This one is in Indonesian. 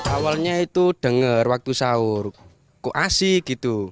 awalnya itu dengar waktu sahur kok asik gitu